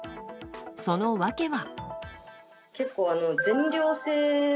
その訳は。